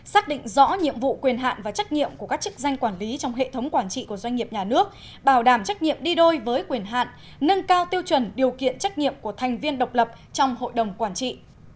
xác định rõ nhiệm vụ quyền hạn và trách nhiệm của các chức danh quản lý trong hệ thống quản trị của doanh nghiệp nhà nước bảo đảm trách nhiệm đi đôi với quyền hạn nâng cao tiêu chuẩn điều kiện trách nhiệm của thành viên độc lập trong hội đồng quản trị